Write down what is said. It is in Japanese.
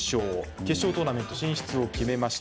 決勝トーナメント進出を決めました。